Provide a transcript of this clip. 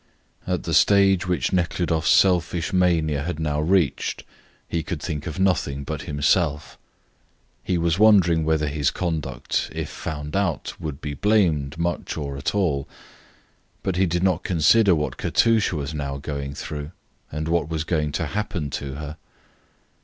At the stage which Nekhludoff's selfish mania had now reached he could think of nothing but himself. He was wondering whether his conduct, if found out, would be blamed much or at all, but he did not consider what Katusha was now going through, and what was going to happen to her.